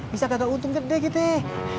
bisa gada untung kan deh gitu deh